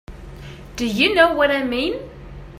Do you know what I mean?